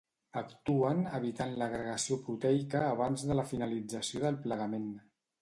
Actuen evitant l’agregació proteica abans de la finalització del plegament.